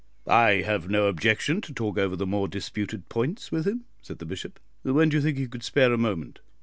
"I have no objection to talk over the more disputed points with him," said the Bishop. "When do you think he could spare a moment?"